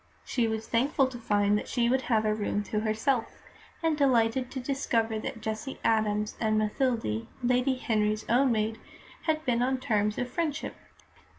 She was thankful to find that she would have a room to herself, and delighted to discover that Jessie Adams and Mathilde, Lady Henry's own maid, had been on terms of friendship.